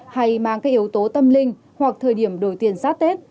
hay mang các yếu tố tâm linh hoặc thời điểm đổi tiền giáp tết